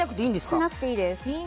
しなくていいです。